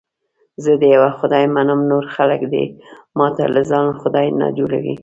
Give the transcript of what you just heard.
زه د یوه خدای منم، نور خلک دې ماته له ځانه خدای نه جوړي.